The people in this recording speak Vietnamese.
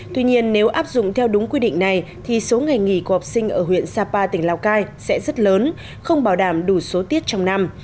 tuy nhiên nếu áp dụng theo đúng quy định này thì số ngày nghỉ của học sinh ở huyện sapa tỉnh lào cai sẽ rất lớn không bảo đảm đủ số tiết trong năm